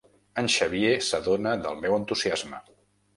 El Xavier s'adona del meu entusiasme.